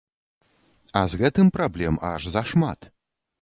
А з гэтым праблем аж зашмат.